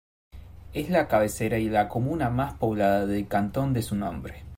Es la cabecera y la comuna más poblada del cantón de su nombre.